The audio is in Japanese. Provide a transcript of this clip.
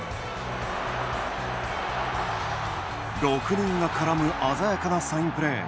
６人が絡む鮮やかなサインプレー。